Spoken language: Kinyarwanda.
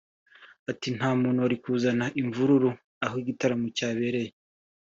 Ati “Nta muntu wari kuzana imvururu aho igitaramo cyabereye